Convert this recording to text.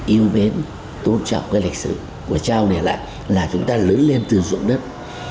yêu bến tôn trọng cái lịch sử của châu này lại là chúng ta lớn lên từ ruộng đất